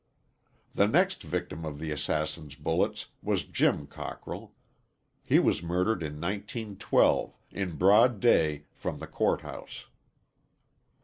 The next victim of the assassin's bullets was Jim Cockrell. He was murdered in 1912, in broad day, from the court house.